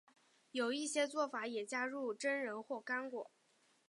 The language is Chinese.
有一些做法也加入榛仁或干果。